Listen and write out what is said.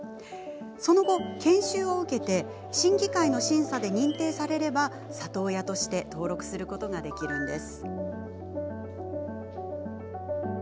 その後、研修を受け審議会の審査で認定されれば里親として登録することができるんです。